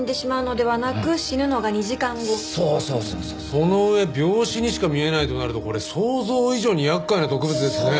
その上病死にしか見えないとなるとこれ想像以上に厄介な毒物ですね。